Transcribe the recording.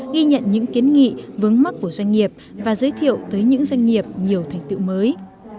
ghi nhận những kiến nghị vướng mắc của doanh nghiệp và giới thiệu tới những doanh nghiệp nhiều thành tựu mới